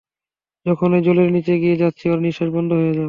যখনই জলের নিচে নিয়ে যাচ্ছি, ওর নিশ্বাস বন্ধ হয়ে যাচ্ছে।